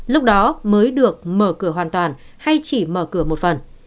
lúc đó mới được mở cửa hoàn toàn hay chỉ mở cửa một phần